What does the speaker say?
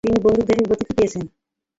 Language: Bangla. তিনি ‘বান্দুকদারী’ উপাধিটি পেয়েছেন।